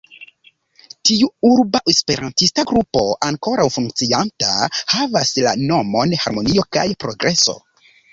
Tiu urba esperantista grupo, ankoraŭ funkcianta, havas la nomon "harmonio kaj progreso".